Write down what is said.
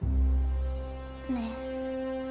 ねえ